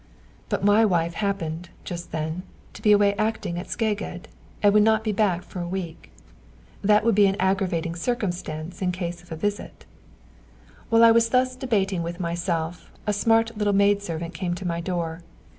But my wife happened, just then, to be away acting at Szeged, and would not be back for a week. That would be an aggravating circumstance in the case of a visit. While I was thus debating with myself, a smart little maid servant came to my door.